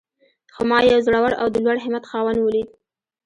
خو ما يو زړور او د لوړ همت خاوند وليد.